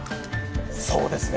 そうですね。